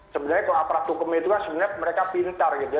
sebenarnya kalau aparat hukum itu kan sebenarnya mereka pintar gitu ya